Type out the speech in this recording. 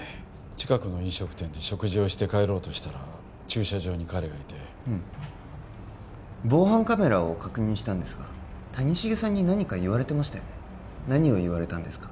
近くの飲食店で食事をして帰ろうとしたら駐車場に彼がいてうん防犯カメラを確認したんですが谷繁さんに何か言われてましたね何を言われたんですか？